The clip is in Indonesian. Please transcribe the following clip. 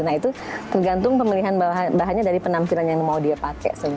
nah itu tergantung pemilihan bahannya dari penampilan yang mau dia pakai